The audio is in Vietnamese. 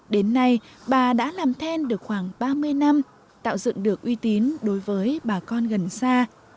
đến nay bà đã làm then được khoảng ba mươi năm tạo dựng được uy tín đối với bà con gần xa